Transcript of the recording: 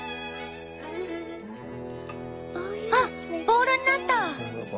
ボールになった。